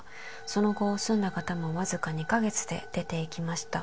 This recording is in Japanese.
「その後住んだ方も僅か２カ月で出て行きました」